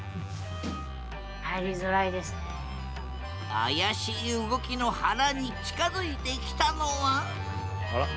怪しい動きのはらに近づいてきたのはあら？